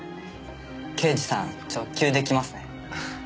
刑事さん直球で来ますね。